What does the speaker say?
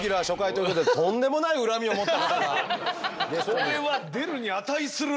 これは出るに値する。